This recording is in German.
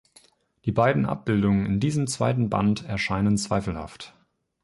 Die beiden Abbildungen in diesem zweiten Band erscheinen zweifelhaft.